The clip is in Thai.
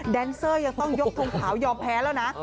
เซอร์ยังต้องยกทงขาวยอมแพ้แล้วนะ